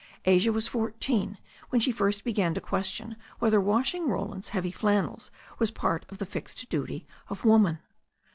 Asia was fourteen when she first began to question whether washing Roland's heavy flannels was part of the fixed duty of woman.